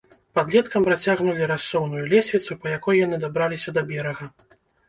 Падлеткам працягнулі рассоўную лесвіцу, па якой яны дабраліся да берага.